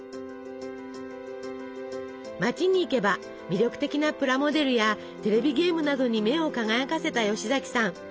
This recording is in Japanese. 街に行けば魅力的なプラモデルやテレビゲームなどに目を輝かせた吉崎さん。